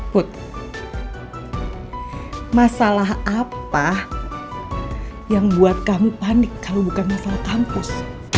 put masalah apa yang buat kami panik kalau bukan masalah kampus